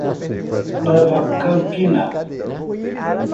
Nova Campina